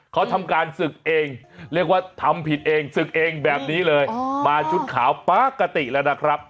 เขาทำการศึกเองเรียกว่าทำผิดเองศึกเองแบบนี้เลยมาชุดขาวปกติแล้วนะครับ